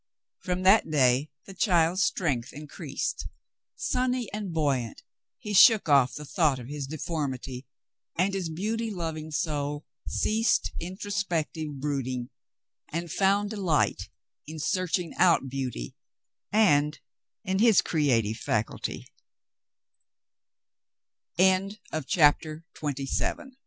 From that day the child's strength increased. Sunny and buoyant, he shook off the thought of his deformity, and his beauty loving soul ceased introspective brooding and found delight in searching out beauty, and in his creati